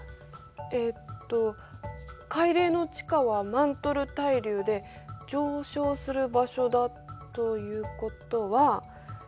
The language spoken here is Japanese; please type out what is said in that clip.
えっと海嶺の地下はマントル対流で上昇する場所だということは。